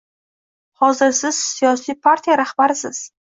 Hozir siz siyosiy partiya rahbarisiz